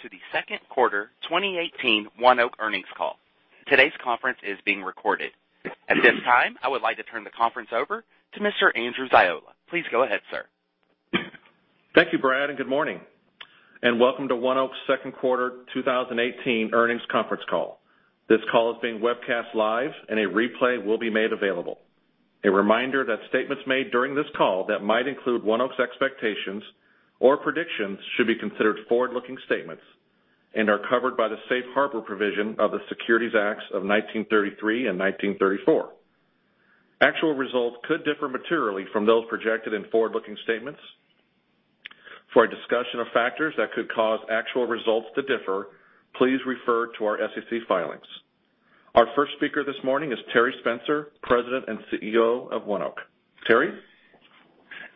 Good day, welcome to the second quarter 2018 ONEOK earnings call. Today's conference is being recorded. At this time, I would like to turn the conference over to Mr. Andrew Ziola. Please go ahead, sir. Thank you, Brad. Good morning, welcome to ONEOK's second quarter 2018 earnings conference call. This call is being webcast live, and a replay will be made available. A reminder that statements made during this call that might include ONEOK's expectations or predictions should be considered forward-looking statements and are covered by the safe harbor provision of the Securities Acts of 1933 and 1934. Actual results could differ materially from those projected in forward-looking statements. For a discussion of factors that could cause actual results to differ, please refer to our SEC filings. Our first speaker this morning is Terry Spencer, President and CEO of ONEOK. Terry?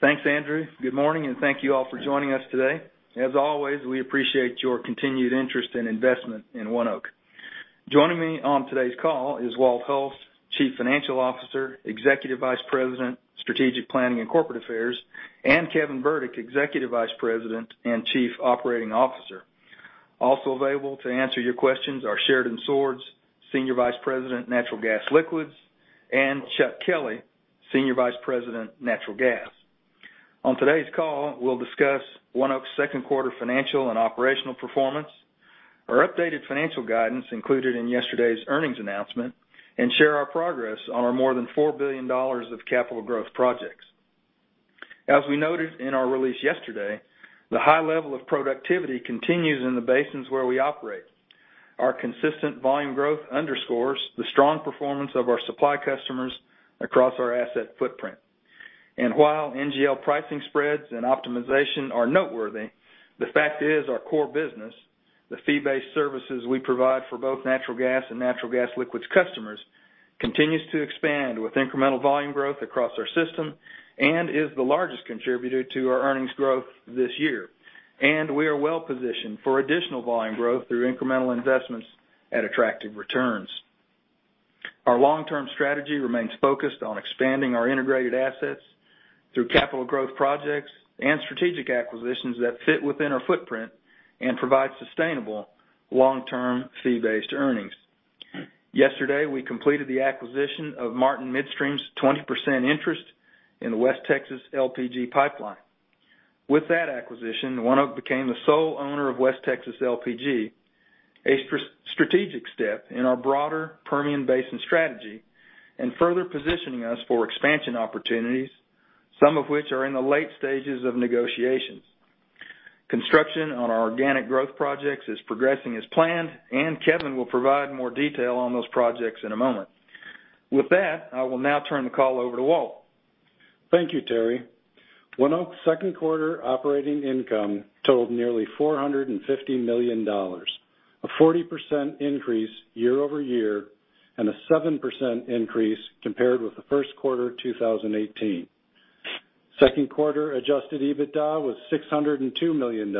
Thanks, Andrew. Good morning, thank you all for joining us today. As always, we appreciate your continued interest and investment in ONEOK. Joining me on today's call is Walt Hulse, Chief Financial Officer, Executive Vice President, Strategic Planning and Corporate Affairs, and Kevin Burdick, Executive Vice President and Chief Operating Officer. Also available to answer your questions are Sheridan Swords, Senior Vice President, Natural Gas Liquids, and Chuck Kelley, Senior Vice President, Natural Gas. On today's call, we'll discuss ONEOK's second quarter financial and operational performance, our updated financial guidance included in yesterday's earnings announcement, and share our progress on our more than $4 billion of capital growth projects. As we noted in our release yesterday, the high level of productivity continues in the basins where we operate. Our consistent volume growth underscores the strong performance of our supply customers across our asset footprint. While NGL pricing spreads and optimization are noteworthy, the fact is our core business, the fee-based services we provide for both natural gas and natural gas liquids customers, continues to expand with incremental volume growth across our system and is the largest contributor to our earnings growth this year. We are well-positioned for additional volume growth through incremental investments at attractive returns. Our long-term strategy remains focused on expanding our integrated assets through capital growth projects and strategic acquisitions that fit within our footprint and provide sustainable long-term fee-based earnings. Yesterday, we completed the acquisition of Martin Midstream's 20% interest in the West Texas LPG Pipeline. With that acquisition, ONEOK became the sole owner of West Texas LPG, a strategic step in our broader Permian Basin strategy and further positioning us for expansion opportunities, some of which are in the late stages of negotiations. Construction on our organic growth projects is progressing as planned. Kevin will provide more detail on those projects in a moment. With that, I will now turn the call over to Walt. Thank you, Terry. ONEOK's second quarter operating income totaled nearly $450 million, a 40% increase year-over-year and a 7% increase compared with the first quarter 2018. Second quarter adjusted EBITDA was $602 million,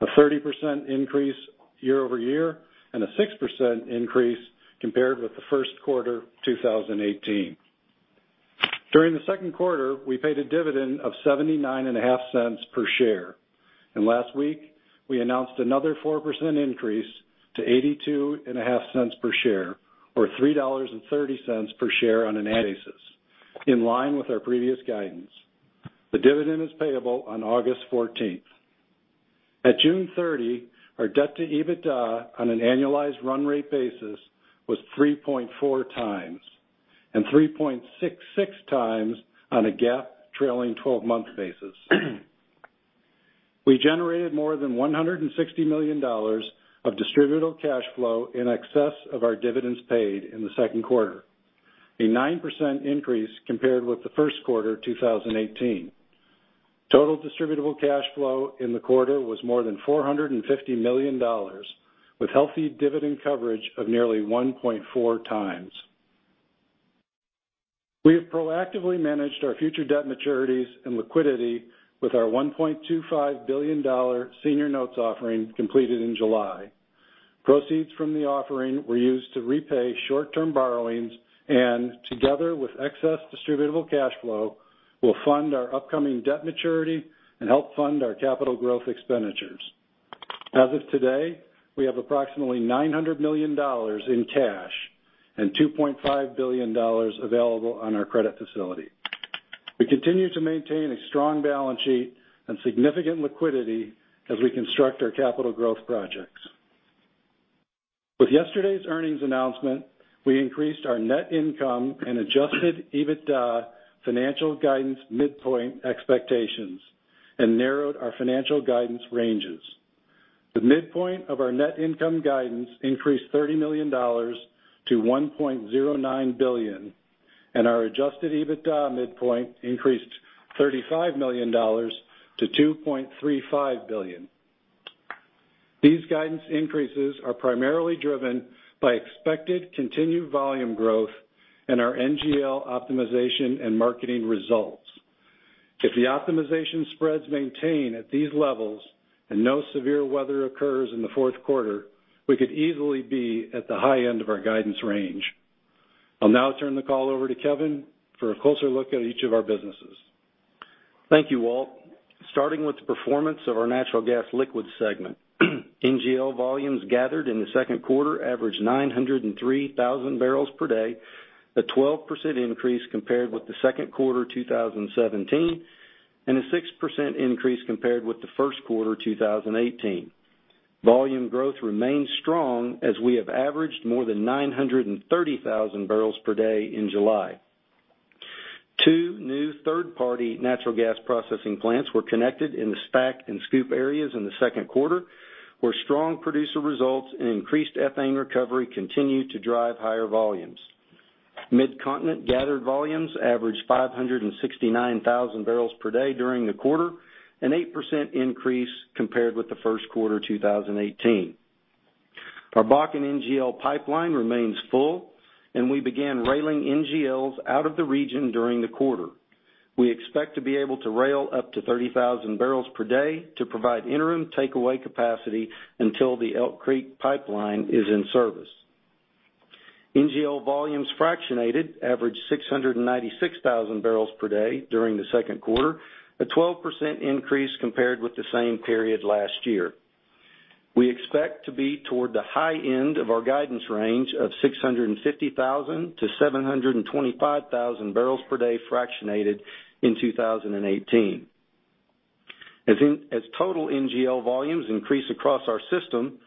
a 30% increase year-over-year and a 6% increase compared with the first quarter 2018. During the second quarter, we paid a dividend of 79 and a half cents per share. Last week, we announced another 4% increase to 82 and a half cents per share, or $3.30 per share on an annual basis, in line with our previous guidance. The dividend is payable on August 14th. At June 30, our debt to EBITDA on an annualized run rate basis was 3.4 times, and 3.66 times on a GAAP trailing 12-month basis. We generated more than $160 million of distributable cash flow in excess of our dividends paid in the second quarter, a 9% increase compared with the first quarter 2018. Total distributable cash flow in the quarter was more than $450 million, with healthy dividend coverage of nearly 1.4 times. We have proactively managed our future debt maturities and liquidity with our $1.25 billion senior notes offering completed in July. Proceeds from the offering were used to repay short-term borrowings and together with excess distributable cash flow, will fund our upcoming debt maturity and help fund our capital growth expenditures. As of today, we have approximately $900 million in cash and $2.5 billion available on our credit facility. We continue to maintain a strong balance sheet and significant liquidity as we construct our capital growth projects. With yesterday's earnings announcement, we increased our net income and adjusted EBITDA financial guidance midpoint expectations and narrowed our financial guidance ranges. The midpoint of our net income guidance increased $30 million to $1.09 billion. Our adjusted EBITDA midpoint increased $35 million to $2.35 billion. These guidance increases are primarily driven by expected continued volume growth in our NGL optimization and marketing results. If the optimization spreads maintain at these levels and no severe weather occurs in the fourth quarter, we could easily be at the high end of our guidance range. I'll now turn the call over to Kevin for a closer look at each of our businesses. Thank you, Walt. Starting with the performance of our Natural Gas Liquids segment. NGL volumes gathered in the second quarter averaged 903,000 barrels per day, a 12% increase compared with the second quarter 2017, and a 6% increase compared with the first quarter 2018. Volume growth remains strong, as we have averaged more than 930,000 barrels per day in July. Two new third-party natural gas processing plants were connected in the STACK and SCOOP areas in the second quarter, where strong producer results and increased ethane recovery continue to drive higher volumes. Mid-Continent gathered volumes averaged 569,000 barrels per day during the quarter, an 8% increase compared with the first quarter 2018. Our Bakken NGL pipeline remains full, and we began railing NGLs out of the region during the quarter. We expect to be able to rail up to 30,000 barrels per day to provide interim takeaway capacity until the Elk Creek Pipeline is in service. NGL volumes fractionated averaged 696,000 barrels per day during the second quarter, a 12% increase compared with the same period last year. We expect to be toward the high end of our guidance range of 650,000 to 725,000 barrels per day fractionated in 2018. As total NGL volumes increase across our system,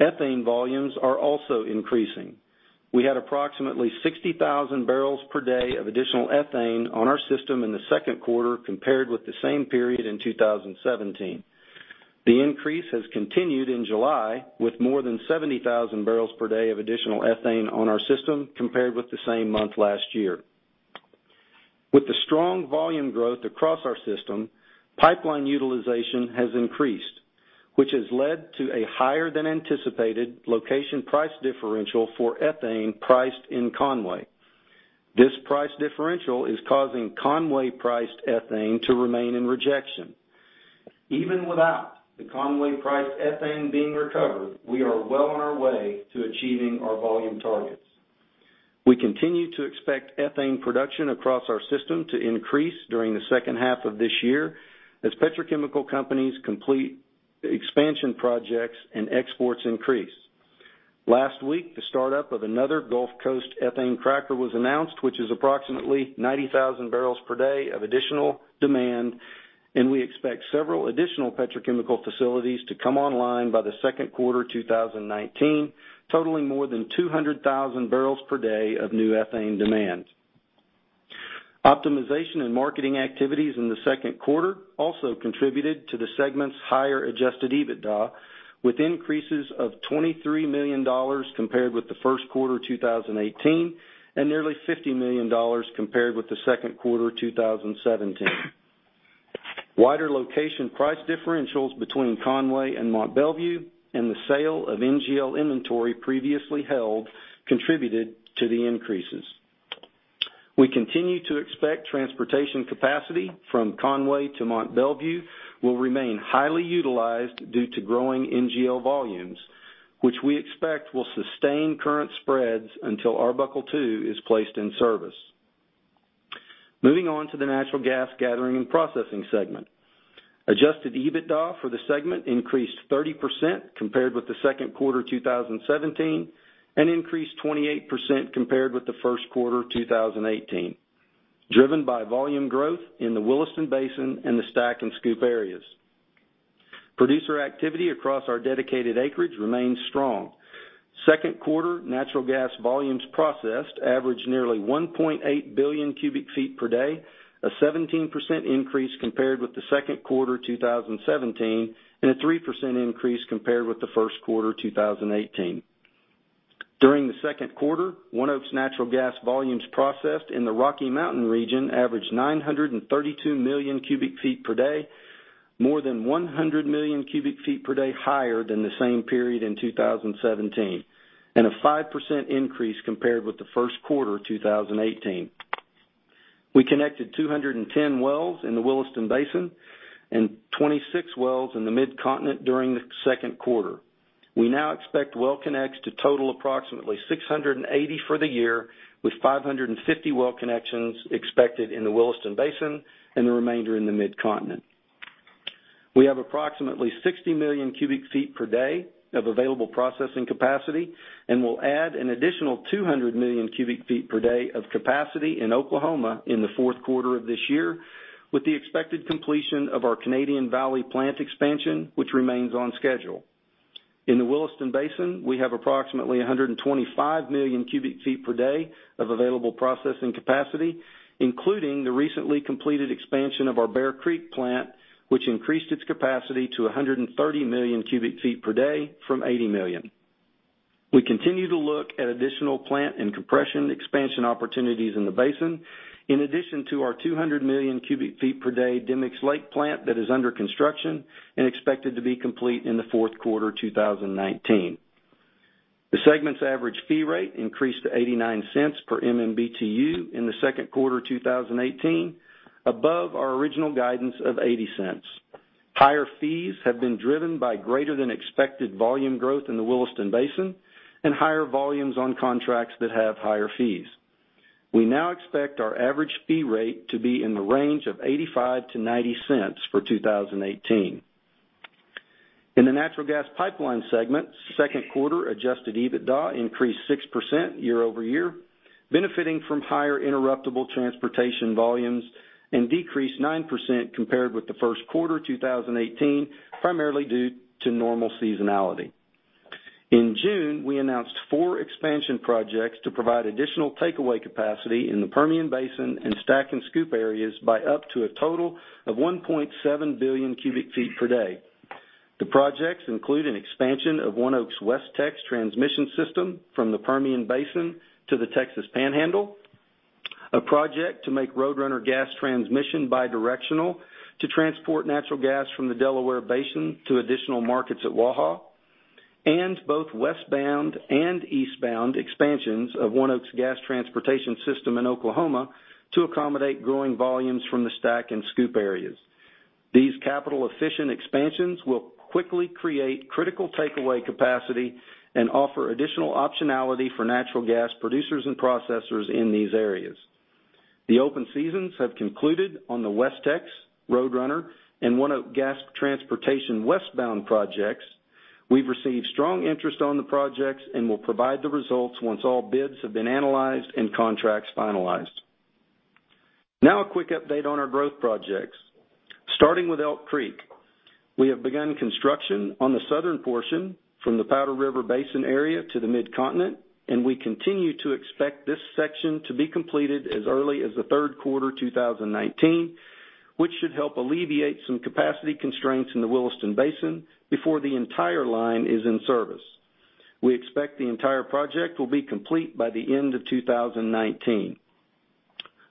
ethane volumes are also increasing. We had approximately 60,000 barrels per day of additional ethane on our system in the second quarter compared with the same period in 2017. The increase has continued in July, with more than 70,000 barrels per day of additional ethane on our system compared with the same month last year. With the strong volume growth across our system, pipeline utilization has increased, which has led to a higher-than-anticipated location price differential for ethane priced in Conway. This price differential is causing Conway priced ethane to remain in rejection. Even without the Conway priced ethane being recovered, we are well on our way to achieving our volume targets. We continue to expect ethane production across our system to increase during the second half of this year as petrochemical companies complete expansion projects and exports increase. Last week, the start-up of another Gulf Coast ethane cracker was announced, which is approximately 90,000 barrels per day of additional demand, and we expect several additional petrochemical facilities to come online by the second quarter 2019, totaling more than 200,000 barrels per day of new ethane demand. Optimization and marketing activities in the second quarter also contributed to the segment's higher adjusted EBITDA, with increases of $23 million compared with the first quarter 2018, and nearly $50 million compared with the second quarter 2017. Wider location price differentials between Conway and Mont Belvieu and the sale of NGL inventory previously held contributed to the increases. We continue to expect transportation capacity from Conway to Mont Belvieu will remain highly utilized due to growing NGL volumes, which we expect will sustain current spreads until Arbuckle II is placed in service. Moving on to the Natural Gas Gathering and Processing segment. Adjusted EBITDA for the segment increased 30% compared with the second quarter 2017, and increased 28% compared with the first quarter 2018, driven by volume growth in the Williston Basin and the STACK and SCOOP areas. Producer activity across our dedicated acreage remains strong. Second quarter natural gas volumes processed averaged nearly 1.8 billion cubic feet per day, a 17% increase compared with the second quarter 2017, and a 3% increase compared with the first quarter 2018. During the second quarter, ONEOK's natural gas volumes processed in the Rocky Mountain region averaged 932 million cubic feet per day, more than 100 million cubic feet per day higher than the same period in 2017, and a 5% increase compared with the first quarter 2018. We connected 210 wells in the Williston Basin and 26 wells in the Mid-Continent during the second quarter. We now expect well connects to total approximately 680 for the year, with 550 well connections expected in the Williston Basin and the remainder in the Mid-Continent. We have approximately 60 million cubic feet per day of available processing capacity and will add an additional 200 million cubic feet per day of capacity in Oklahoma in the fourth quarter of this year with the expected completion of our Canadian Valley plant expansion, which remains on schedule. In the Williston Basin, we have approximately 125 million cubic feet per day of available processing capacity, including the recently completed expansion of our Bear Creek plant, which increased its capacity to 130 million cubic feet per day from 80 million. We continue to look at additional plant and compression expansion opportunities in the basin, in addition to our 200 million cubic feet per day Demicks Lake plant that is under construction and expected to be complete in the fourth quarter 2019. The segment's average fee rate increased to $0.89 per MMBtu in the second quarter 2018, above our original guidance of $0.80. Higher fees have been driven by greater than expected volume growth in the Williston Basin and higher volumes on contracts that have higher fees. We now expect our average fee rate to be in the range of $0.85-$0.90 for 2018. In the natural gas pipeline segment, second quarter adjusted EBITDA increased 6% year-over-year, benefiting from higher interruptible transportation volumes and decreased 9% compared with the first quarter 2018, primarily due to normal seasonality. In June, we announced 4 expansion projects to provide additional takeaway capacity in the Permian Basin and STACK and SCOOP areas by up to a total of 1.7 billion cubic feet per day. The projects include an expansion of ONEOK's WesTex Transmission system from the Permian Basin to the Texas Panhandle, a project to make Roadrunner Gas Transmission bi-directional to transport natural gas from the Delaware Basin to additional markets at WAHA, and both westbound and eastbound expansions of ONEOK's Gas Transportation system in Oklahoma to accommodate growing volumes from the STACK and SCOOP areas. These capital-efficient expansions will quickly create critical takeaway capacity and offer additional optionality for natural gas producers and processors in these areas. The open seasons have concluded on the WesTex, Roadrunner, and ONEOK Gas Transportation westbound projects. We've received strong interest on the projects and will provide the results once all bids have been analyzed and contracts finalized. Now a quick update on our growth projects. Starting with Elk Creek, we have begun construction on the southern portion from the Powder River Basin area to the Mid-Continent, and we continue to expect this section to be completed as early as the third quarter 2019, which should help alleviate some capacity constraints in the Williston Basin before the entire line is in service. We expect the entire project will be complete by the end of 2019.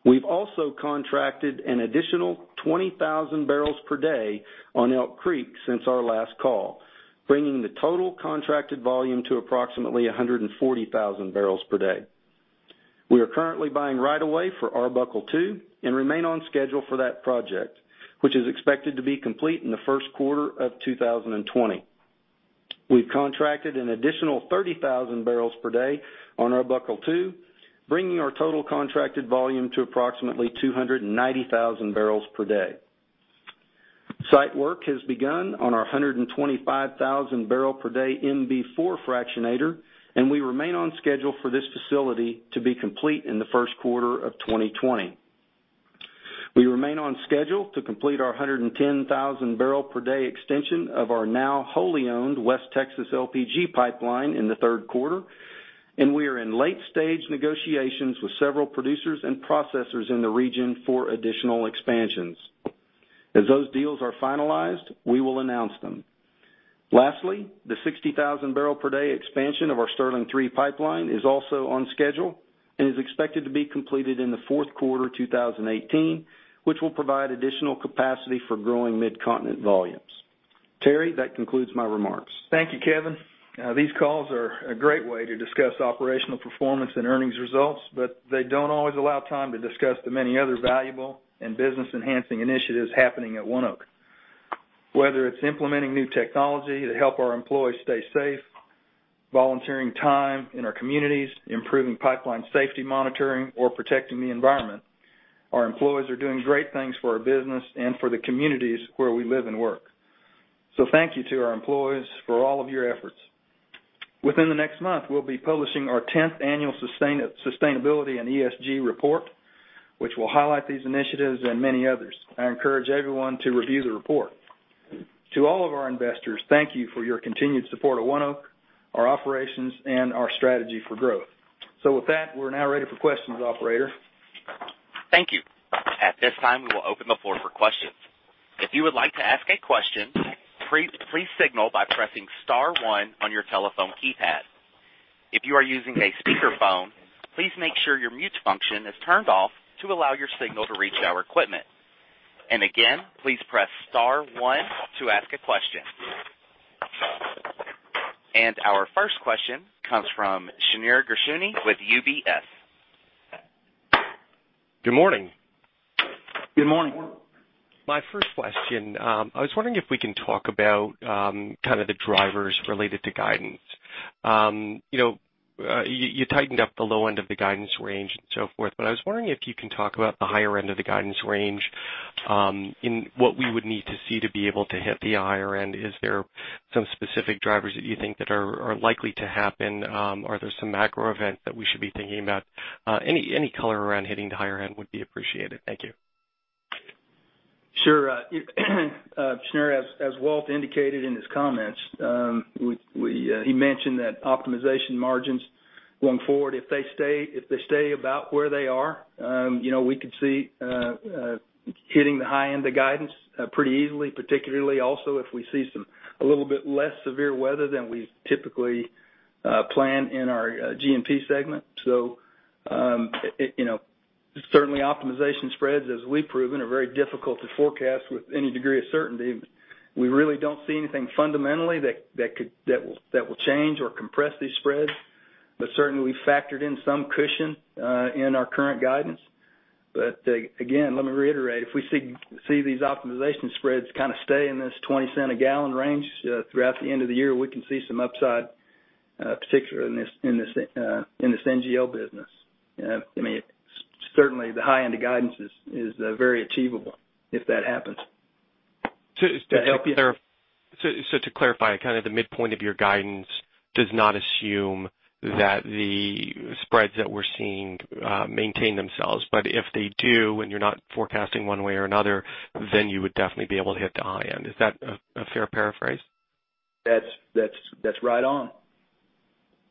We have also contracted an additional 20,000 barrels per day on Elk Creek since our last call, bringing the total contracted volume to approximately 140,000 barrels per day. We are currently buying right of way for Arbuckle II and remain on schedule for that project, which is expected to be complete in the first quarter of 2020. We have contracted an additional 30,000 barrels per day on Arbuckle II, bringing our total contracted volume to approximately 290,000 barrels per day. Site work has begun on our 125,000 barrel per day MB-4 fractionator, and we remain on schedule for this facility to be complete in the first quarter of 2020. We remain on schedule to complete our 110,000 barrel per day extension of our now wholly owned West Texas LPG Pipeline in the third quarter, and we are in late-stage negotiations with several producers and processors in the region for additional expansions. As those deals are finalized, we will announce them. Lastly, the 60,000 barrel per day expansion of our Sterling III pipeline is also on schedule and is expected to be completed in the fourth quarter 2018, which will provide additional capacity for growing Mid-Continent volumes. Terry, that concludes my remarks. Thank you, Kevin. These calls are a great way to discuss operational performance and earnings results, but they do not always allow time to discuss the many other valuable and business-enhancing initiatives happening at ONEOK. Whether it is implementing new technology to help our employees stay safe, volunteering time in our communities, improving pipeline safety monitoring, or protecting the environment, our employees are doing great things for our business and for the communities where we live and work. Thank you to our employees for all of your efforts. Within the next month, we will be publishing our 10th Annual Sustainability and ESG report, which will highlight these initiatives and many others. I encourage everyone to review the report. To all of our investors, thank you for your continued support of ONEOK, our operations, and our strategy for growth. With that, we are now ready for questions, operator. Thank you. At this time, we will open the floor for questions. If you would like to ask a question, please signal by pressing *1 on your telephone keypad. If you are using a speakerphone, please make sure your mute function is turned off to allow your signal to reach our equipment. Again, please press *1 to ask a question. Our first question comes from Shneur Gershuni with UBS. Good morning. Good morning. My first question, I was wondering if we can talk about kind of the drivers related to guidance. You tightened up the low end of the guidance range and so forth, but I was wondering if you can talk about the higher end of the guidance range, and what we would need to see to be able to hit the higher end. Is there some specific drivers that you think that are likely to happen? Are there some macro events that we should be thinking about? Any color around hitting the higher end would be appreciated. Thank you. Sure. Shneur, as Walt indicated in his comments, he mentioned that optimization margins going forward, if they stay about where they are, we could see hitting the high end of guidance pretty easily, particularly also if we see a little bit less severe weather than we typically plan in our G&P segment. Certainly, optimization spreads, as we've proven, are very difficult to forecast with any degree of certainty. We really don't see anything fundamentally that will change or compress these spreads. Certainly, we factored in some cushion in our current guidance. Let me reiterate, if we see these optimization spreads kind of stay in this $0.20 a gallon range throughout the end of the year, we can see some upside, particularly in this NGL business. Certainly, the high end of guidance is very achievable if that happens. To clarify, kind of the midpoint of your guidance does not assume that the spreads that we're seeing maintain themselves. If they do, you're not forecasting one way or another, you would definitely be able to hit the high end. Is that a fair paraphrase? That's right on.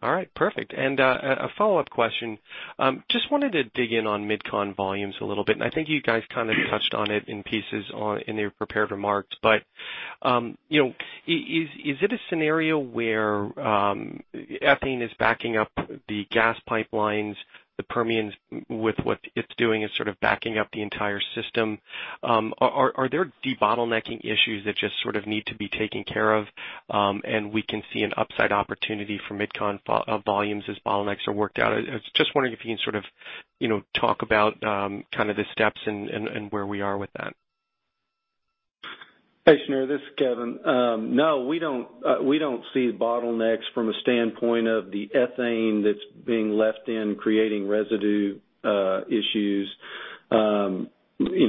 All right, perfect. A follow-up question. Just wanted to dig in on MidCon volumes a little bit, I think you guys kind of touched on it in pieces in your prepared remarks. Is it a scenario where ethane is backing up the gas pipelines, the Permian, with what it's doing is sort of backing up the entire system? Are there debottlenecking issues that just sort of need to be taken care of, we can see an upside opportunity for MidCon volumes as bottlenecks are worked out? I was just wondering if you can sort of talk about kind of the steps and where we are with that. Hey, Shneur, this is Kevin. No, we don't see bottlenecks from a standpoint of the ethane that is being left in creating residue issues.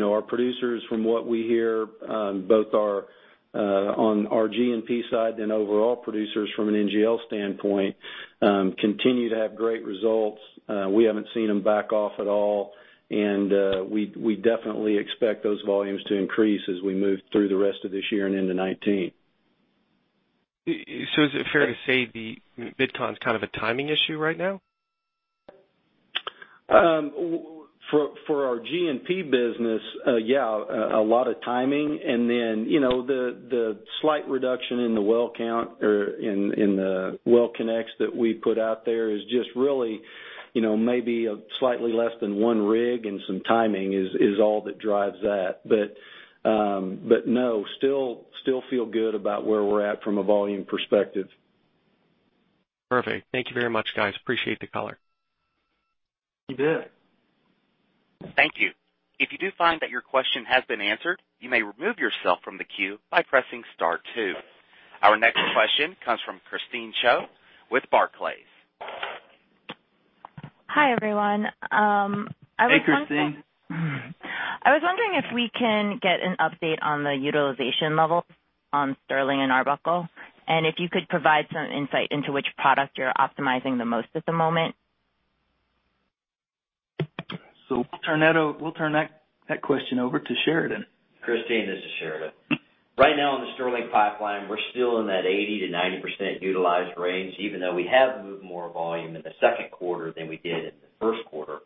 Our producers, from what we hear, both on our G&P side and overall producers from an NGL standpoint, continue to have great results. We haven't seen them back off at all, and we definitely expect those volumes to increase as we move through the rest of this year and into 2019. Is it fair to say the MidCon's kind of a timing issue right now? For our G&P business, yeah, a lot of timing. The slight reduction in the well count or in the well connects that we put out there is just really maybe slightly less than one rig and some timing is all that drives that. No, still feel good about where we are at from a volume perspective. Perfect. Thank you very much, guys. Appreciate the color. You bet. Thank you. If you do find that your question has been answered, you may remove yourself from the queue by pressing star two. Our next question comes from Christine Cho with Barclays. Hi, everyone. Hey, Christine. I was wondering if we can get an update on the utilization levels on Sterling and Arbuckle, if you could provide some insight into which product you're optimizing the most at the moment. We'll turn that question over to Sheridan. Christine, this is Sheridan. Right now in the Sterling pipeline, we're still in that 80%-90% utilized range, even though we have moved more volume in the second quarter than we did in the first quarter.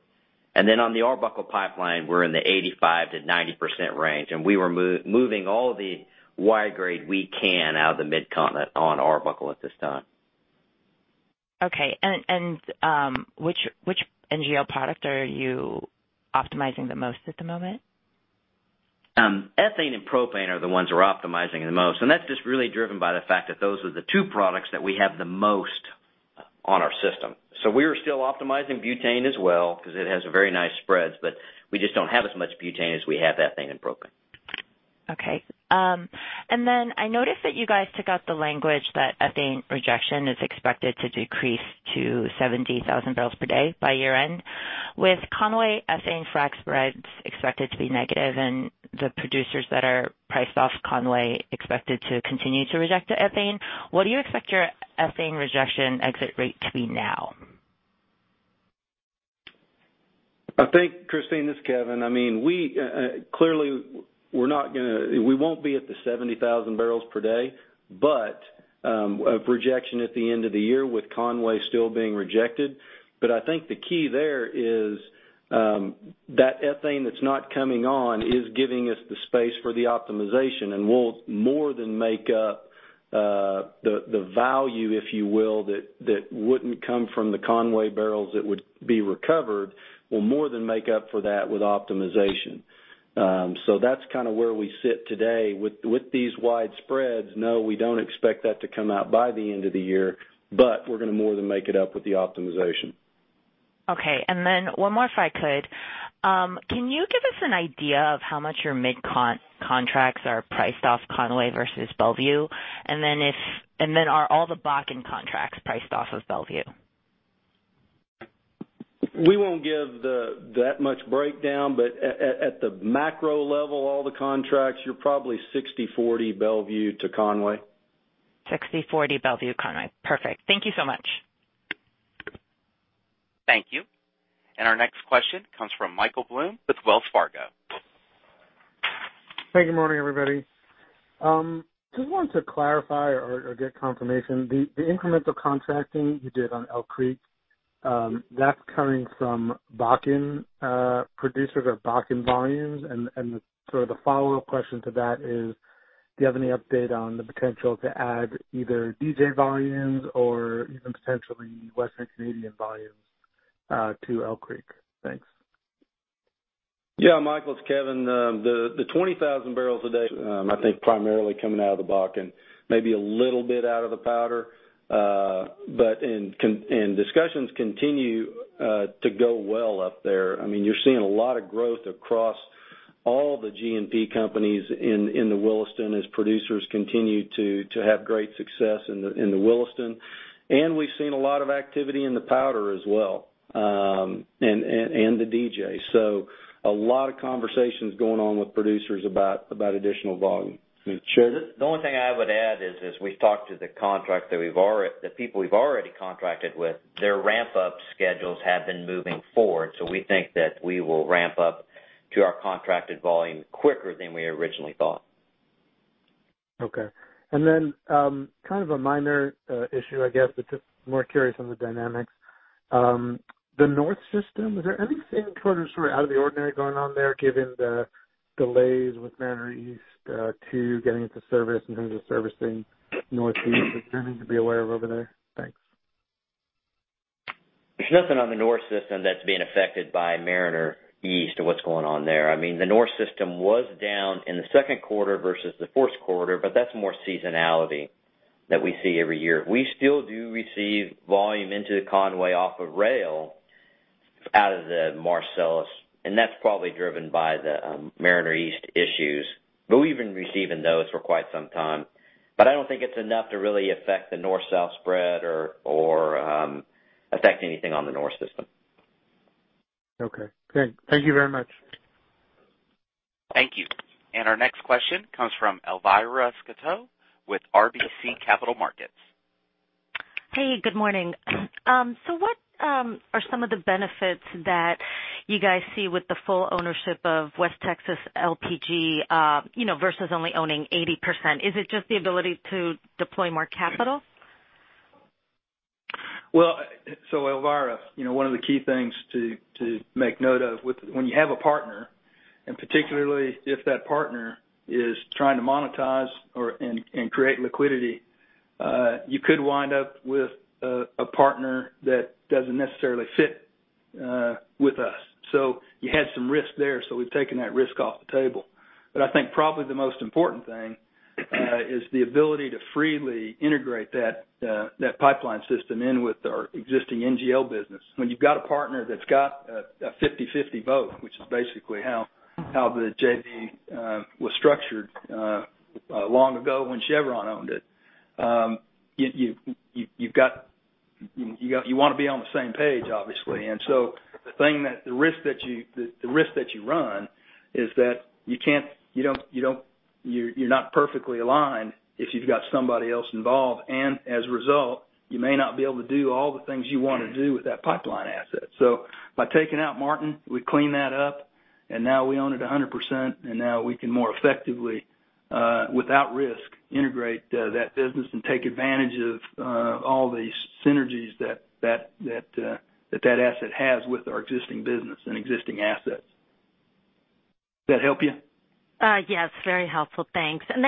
On the Arbuckle pipeline, we're in the 85%-90% range, and we were moving all the y-grade we can out of the Mid-Continent on Arbuckle at this time. Okay. Which NGL product are you optimizing the most at the moment? Ethane and propane are the ones we're optimizing the most. That's just really driven by the fact that those are the two products that we have the most on our system. We are still optimizing butane as well because it has very nice spreads, but we just don't have as much butane as we have ethane and propane. Okay. I noticed that you guys took out the language that ethane rejection is expected to decrease to 70,000 barrels per day by year-end. With Conway ethane frac spreads expected to be negative and the producers that are priced off Conway expected to continue to reject the ethane, what do you expect your ethane rejection exit rate to be now? I think, Christine, this is Kevin. Clearly, we won't be at the 70,000 barrels per day of rejection at the end of the year with Conway still being rejected. I think the key there is that ethane that's not coming on is giving us the space for the optimization, and we'll more than make up the value, if you will, that wouldn't come from the Conway barrels that would be recovered. We'll more than make up for that with optimization. That's kind of where we sit today with these wide spreads. No, we don't expect that to come out by the end of the year, we're going to more than make it up with the optimization. Okay. One more, if I could. Can you give us an idea of how much your MidCon contracts are priced off Conway versus Mont Belvieu? Are all the Bakken contracts priced off of Mont Belvieu? We won't give that much breakdown, but at the macro level, all the contracts, you're probably 60/40 Belvieu to Conway. 60/40 Belvieu to Conway. Perfect. Thank you so much. Thank you. Our next question comes from Michael Blum with Wells Fargo. Hey, good morning, everybody. Just wanted to clarify or get confirmation. The incremental contracting you did on Elk Creek, that's coming from Bakken producers or Bakken volumes? Sort of the follow-up question to that is, do you have any update on the potential to add either DJ volumes or even potentially Western Canadian volumes to Elk Creek? Thanks. Yeah, Michael, it's Kevin. The 20,000 barrels a day, I think primarily coming out of the Bakken, maybe a little bit out of the Powder. Discussions continue to go well up there. You're seeing a lot of growth across All the G&P companies in the Williston as producers continue to have great success in the Williston. We've seen a lot of activity in the Powder as well, and the DJ. A lot of conversations going on with producers about additional volume. Sure. The only thing I would add is, as we've talked to the people we've already contracted with, their ramp-up schedules have been moving forward. We think that we will ramp up to our contracted volume quicker than we originally thought. Okay. Kind of a minor issue, I guess, but just more curious on the dynamics. The North System, is there anything sort of out of the ordinary going on there, given the delays with Mariner East 2 getting into service in terms of servicing Northeast? Is there anything to be aware of over there? Thanks. There's nothing on the North system that's being affected by Mariner East or what's going on there. The North system was down in the second quarter versus the fourth quarter, but that's more seasonality that we see every year. We still do receive volume into Conway off of rail, out of the Marcellus, and that's probably driven by the Mariner East issues. We've been receiving those for quite some time. I don't think it's enough to really affect the North-South spread or affect anything on the North system. Okay, great. Thank you very much. Thank you. Our next question comes from Elvira Scotto with RBC Capital Markets. Hey, good morning. What are some of the benefits that you guys see with the full ownership of West Texas LPG versus only owning 80%? Is it just the ability to deploy more capital? Elvira, one of the key things to make note of, when you have a partner, and particularly if that partner is trying to monetize and create liquidity, you could wind up with a partner that doesn't necessarily fit with us. You had some risk there, so we've taken that risk off the table. I think probably the most important thing is the ability to freely integrate that pipeline system in with our existing NGL business. When you've got a partner that's got a 50-50 vote, which is basically how the JV was structured long ago when Chevron owned it, you want to be on the same page, obviously. The risk that you run is that you're not perfectly aligned if you've got somebody else involved, and as a result, you may not be able to do all the things you want to do with that pipeline asset. By taking out Martin, we clean that up, and now we own it 100%. Now we can more effectively, without risk, integrate that business and take advantage of all the synergies that that asset has with our existing business and existing assets. That help you? Yes, very helpful. Thanks. You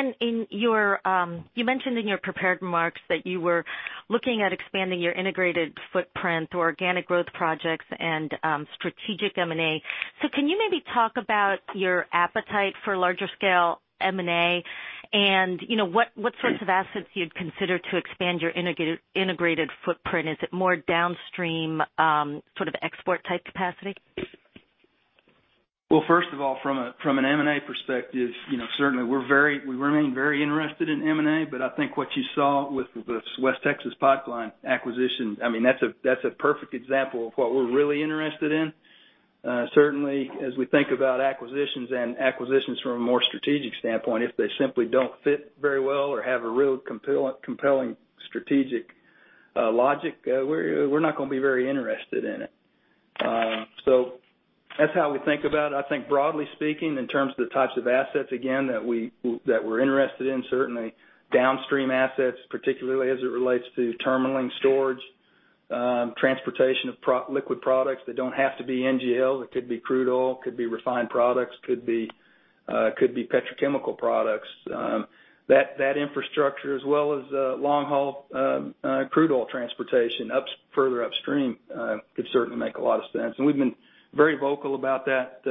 mentioned in your prepared remarks that you were looking at expanding your integrated footprint, organic growth projects, and strategic M&A. Can you maybe talk about your appetite for larger scale M&A, and what sorts of assets you'd consider to expand your integrated footprint? Is it more downstream sort of export type capacity? Well, first of all, from an M&A perspective, certainly we remain very interested in M&A. I think what you saw with the West Texas pipeline acquisition, that's a perfect example of what we're really interested in. Certainly, as we think about acquisitions and acquisitions from a more strategic standpoint, if they simply don't fit very well or have a real compelling strategic logic, we're not going to be very interested in it. That's how we think about it. I think broadly speaking, in terms of the types of assets, again, that we're interested in, certainly downstream assets, particularly as it relates to terminalling storage, transportation of liquid products that don't have to be NGL. It could be crude oil, could be refined products, could be petrochemical products. That infrastructure as well as long-haul crude oil transportation further upstream could certainly make a lot of sense. We've been very vocal about that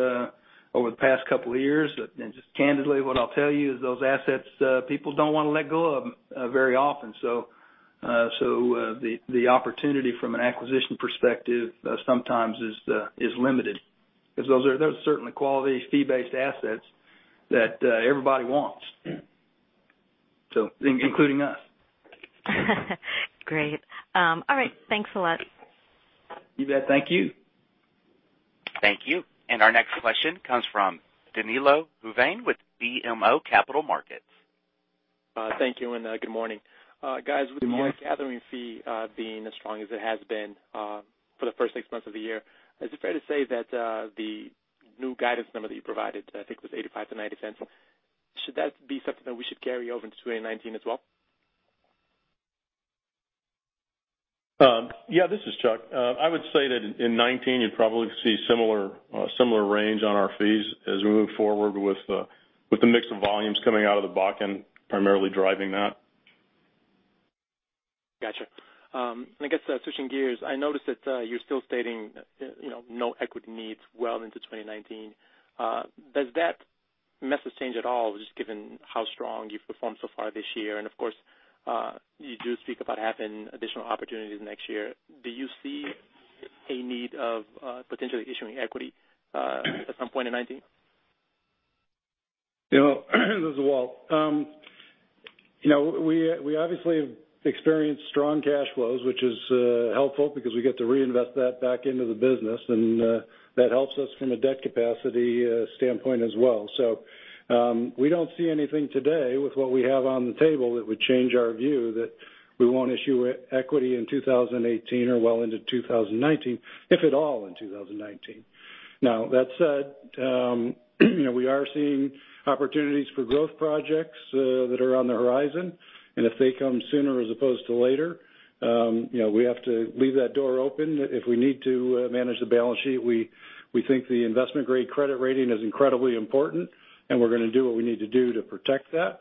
over the past couple of years. Just candidly, what I'll tell you is those assets, people don't want to let go of very often. The opportunity from an acquisition perspective sometimes is limited because those are certainly quality fee-based assets that everybody wants. Including us. Great. All right. Thanks a lot. You bet. Thank you. Thank you. Our next question comes from Danilo Juvane with BMO Capital Markets. Thank you, and good morning. Guys, with your gathering fee being as strong as it has been for the first six months of the year, is it fair to say that the new guidance number that you provided, I think was $0.85-$0.90, should that be something that we should carry over into 2019 as well? Yeah, this is Chuck. I would say that in 2019, you'd probably see a similar range on our fees as we move forward with the mix of volumes coming out of the Bakken primarily driving that. Got you. I guess, switching gears, I noticed that you're still stating no equity needs well into 2019. Does that message change at all, just given how strong you've performed so far this year? Of course, you do speak about having additional opportunities next year. Do you see a need of potentially issuing equity at some point in 2019. This is Walt. We obviously have experienced strong cash flows, which is helpful because we get to reinvest that back into the business, that helps us from a debt capacity standpoint as well. We don't see anything today with what we have on the table that would change our view that we won't issue equity in 2018 or well into 2019, if at all, in 2019. Now, that said, we are seeing opportunities for growth projects that are on the horizon, if they come sooner as opposed to later, we have to leave that door open if we need to manage the balance sheet. We think the investment-grade credit rating is incredibly important, we're going to do what we need to do to protect that.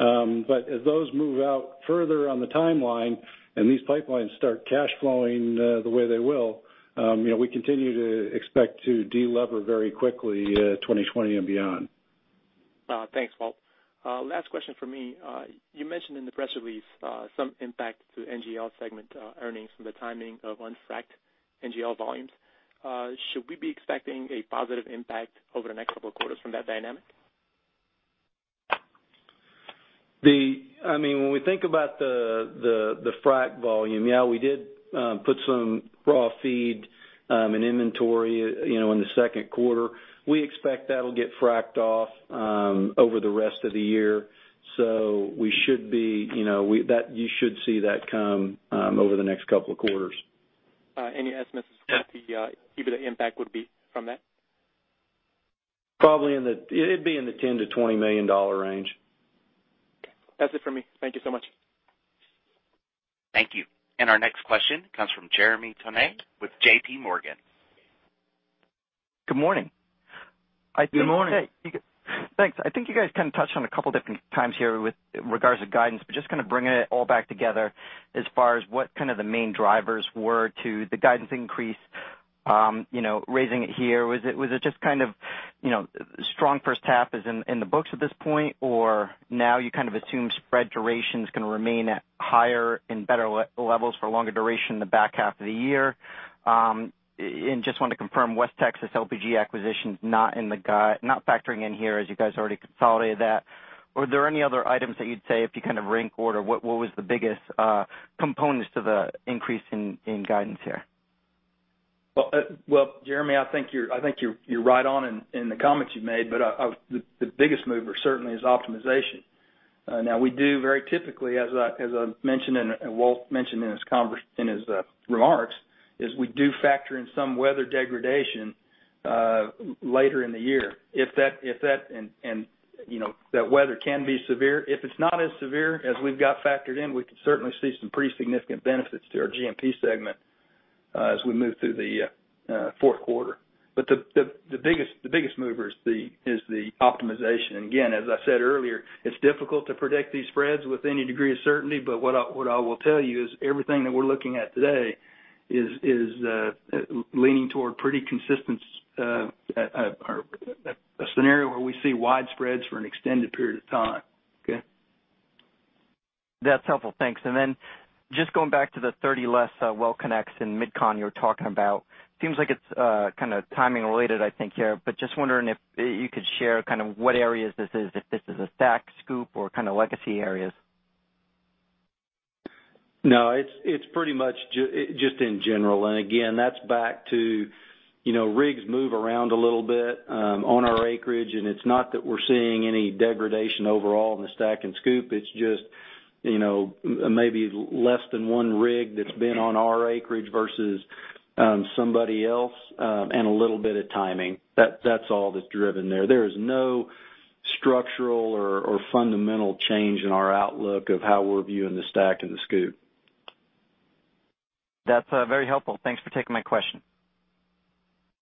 As those move out further on the timeline and these pipelines start cash flowing the way they will, we continue to expect to de-lever very quickly 2020 and beyond. Thanks, Walt. Last question from me. You mentioned in the press release some impact to NGL segment earnings from the timing of unfrac'd NGL volumes. Should we be expecting a positive impact over the next couple of quarters from that dynamic? When we think about the frac'd volume, yeah, we did put some raw feed in inventory in the second quarter. We expect that'll get frac'd off over the rest of the year. You should see that come over the next couple of quarters. Any estimates as to what the impact would be from that? It'd be in the $10 million-$20 million range. That's it for me. Thank you so much. Thank you. Our next question comes from Jeremy Tonet with J.P. Morgan. Good morning. Good morning. Thanks. I think you guys kind of touched on a couple different times here with regards to guidance, but just kind of bringing it all back together as far as what kind of the main drivers were to the guidance increase raising it here. Was it just kind of strong first half is in the books at this point, or now you kind of assume spread duration is going to remain at higher and better levels for longer duration in the back half of the year? Just wanted to confirm West Texas LPG acquisition's not factoring in here as you guys already consolidated that. Were there any other items that you'd say if you kind of rank order what was the biggest components to the increase in guidance here? Well, Jeremy, I think you're right on in the comments you made, but the biggest mover certainly is optimization. We do very typically, as I mentioned and Walt mentioned in his remarks, is we do factor in some weather degradation later in the year. If that weather can be severe. If it's not as severe as we've got factored in, we could certainly see some pretty significant benefits to our G&P segment as we move through the fourth quarter. The biggest mover is the optimization. Again, as I said earlier, it's difficult to predict these spreads with any degree of certainty, but what I will tell you is everything that we're looking at today is leaning toward pretty consistent scenario where we see wide spreads for an extended period of time. Okay? That's helpful. Thanks. Just going back to the 30-less WellConnects in MidCon you were talking about, seems like it's kind of timing related I think here, but just wondering if you could share kind of what areas this is, if this is a STACK, SCOOP, or kind of legacy areas. No, it's pretty much just in general. Again, that's back to rigs move around a little bit on our acreage, and it's not that we're seeing any degradation overall in the STACK and SCOOP. It's just maybe less than one rig that's been on our acreage versus somebody else, and a little bit of timing. That's all that's driven there. There is no structural or fundamental change in our outlook of how we're viewing the STACK and the SCOOP. That's very helpful. Thanks for taking my question.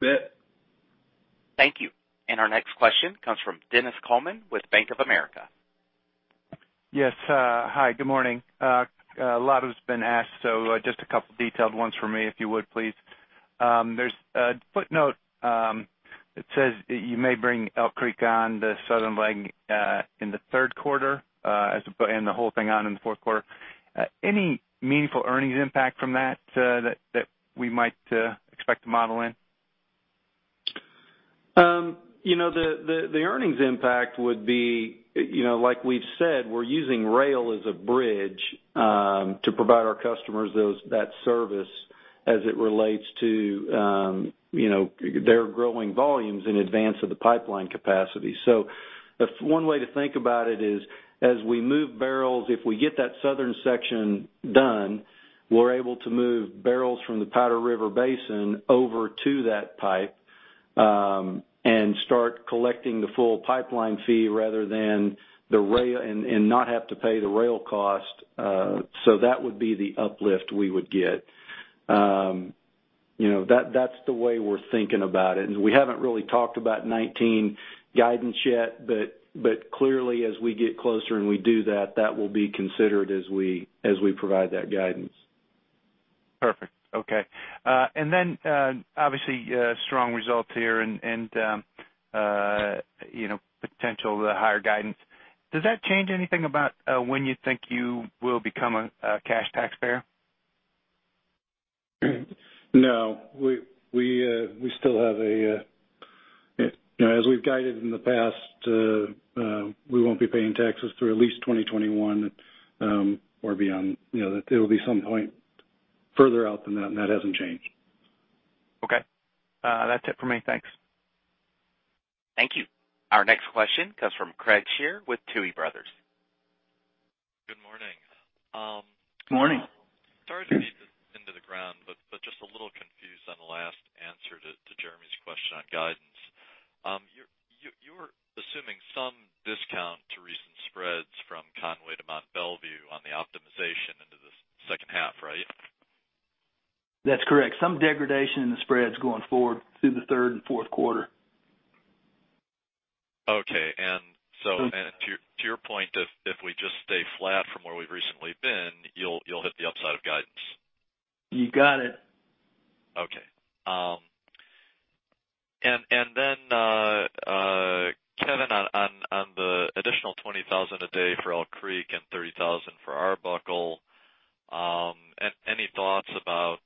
You bet. Thank you. Our next question comes from Dennis Coleman with Bank of America. Yes, hi. Good morning. A lot has been asked. Just a couple detailed ones from me if you would, please. There's a footnote that says that you may bring Elk Creek on the southern leg in the third quarter and the whole thing on in the fourth quarter. Any meaningful earnings impact from that that we might expect to model in? The earnings impact would be like we've said, we're using rail as a bridge to provide our customers that service as it relates to their growing volumes in advance of the pipeline capacity. One way to think about it is as we move barrels, if we get that southern section done, we're able to move barrels from the Powder River Basin over to that pipe, and start collecting the full pipeline fee rather than the rail and not have to pay the rail cost. That would be the uplift we would get. That's the way we're thinking about it. We haven't really talked about 2019 guidance yet, but clearly as we get closer and we do that will be considered as we provide that guidance. Perfect. Okay. Obviously strong results here and potential the higher guidance. Does that change anything about when you think you will become a cash taxpayer? No. As we've guided in the past, we won't be paying taxes through at least 2021, or beyond. It'll be some point further out than that. That hasn't changed. Okay. That's it for me. Thanks. Thank you. Our next question comes from Craig Shere with Tuohy Brothers. Good morning. Morning. Sorry to beat this into the ground, just a little confused on the last answer to Jeremy's question on guidance. You were assuming some discount to recent spreads from Conway to Mont Belvieu on the optimization into the second half, right? That's correct. Some degradation in the spreads going forward through the third and fourth quarter. Okay. To your point, if we just stay flat from where we've recently been, you'll hit the upside of guidance. You got it. Okay. Kevin, on the additional 20,000 a day for Elk Creek and 30,000 for Arbuckle, any thoughts about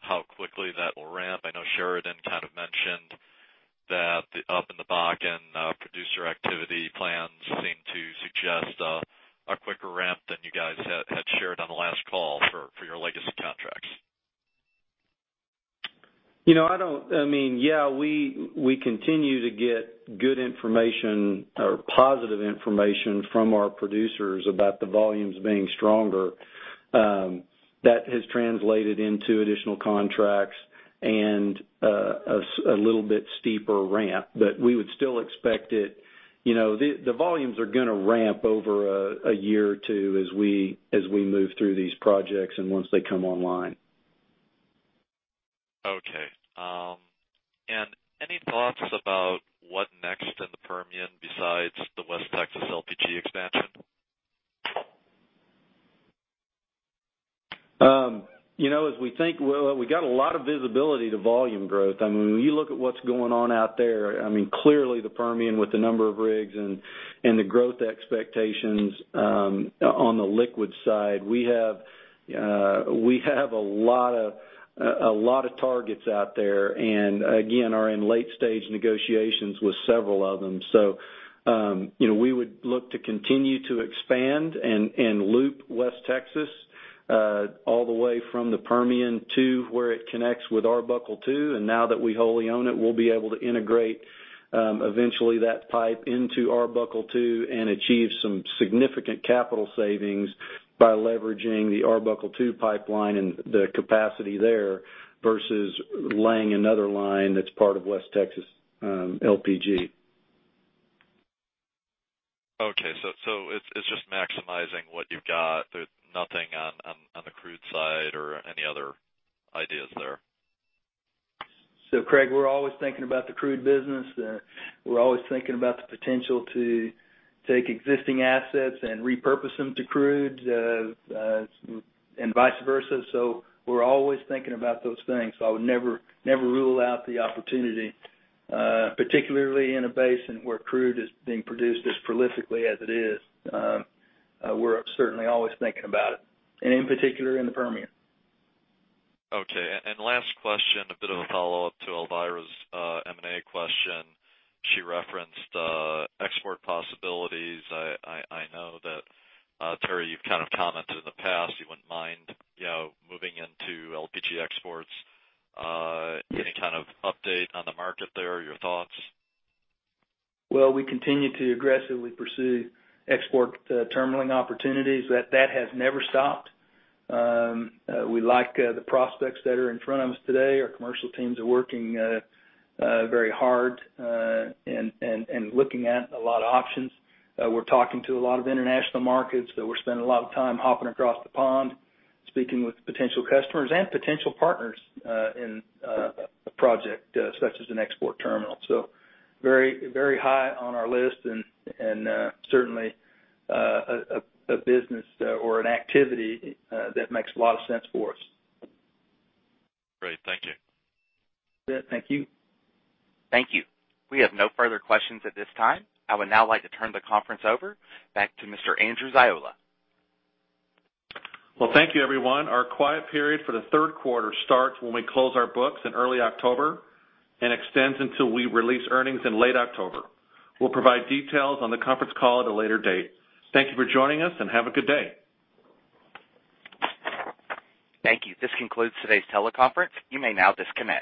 how quickly that will ramp? I know Sheridan kind of mentioned that the up in the Bakken producer activity plans seem to suggest a quicker ramp than you guys had shared on the last call for your legacy contracts. We continue to get good information or positive information from our producers about the volumes being stronger. That has translated into additional contracts and a little bit steeper ramp, but we would still expect the volumes are going to ramp over a year or two as we move through these projects and once they come online. Any thoughts about what next in the Permian besides the West Texas LPG expansion? As we think, we got a lot of visibility to volume growth. When you look at what's going on out there, clearly the Permian with the number of rigs and the growth expectations on the liquid side. We have a lot of targets out there, again, are in late stage negotiations with several of them. We would look to continue to expand and loop West Texas all the way from the Permian to where it connects with Arbuckle II. Now that we wholly own it, we'll be able to integrate eventually that pipe into Arbuckle II and achieve some significant capital savings by leveraging the Arbuckle II pipeline and the capacity there versus laying another line that's part of West Texas LPG. It's just maximizing what you've got. There's nothing on the crude side or any other ideas there? Craig, we're always thinking about the crude business. We're always thinking about the potential to take existing assets and repurpose them to crude. And vice versa. We're always thinking about those things. I would never rule out the opportunity, particularly in a basin where crude is being produced as prolifically as it is. We're certainly always thinking about it, and in particular, in the Permian. Okay. Last question, a bit of a follow-up to Elvira's M&A question. She referenced export possibilities. I know that, Terry, you've kind of commented in the past you wouldn't mind moving into LPG exports. Any kind of update on the market there or your thoughts? Well, we continue to aggressively pursue export terminaling opportunities. That has never stopped. We like the prospects that are in front of us today. Our commercial teams are working very hard and looking at a lot of options. We're talking to a lot of international markets. We're spending a lot of time hopping across the pond, speaking with potential customers and potential partners in a project such as an export terminal. Very high on our list, and certainly a business or an activity that makes a lot of sense for us. Great. Thank you. Thank you. Thank you. We have no further questions at this time. I would now like to turn the conference over back to Mr. Andrew Ziola. Well, thank you everyone. Our quiet period for the third quarter starts when we close our books in early October, and extends until we release earnings in late October. We'll provide details on the conference call at a later date. Thank you for joining us, and have a good day. Thank you. This concludes today's teleconference. You may now disconnect.